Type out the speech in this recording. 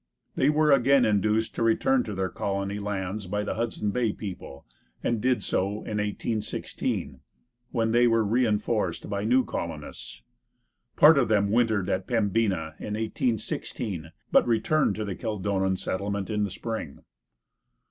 They were again induced to return to their colony lands by the Hudson Bay people, and did so in 1816, when they were reinforced by new colonists. Part of them wintered at Pembina in 1816, but returned to the Kildonan settlement in the spring.